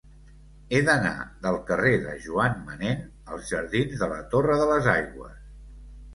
He d'anar del carrer de Joan Manén als jardins de la Torre de les Aigües.